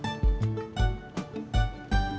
tidak bisa diandalkan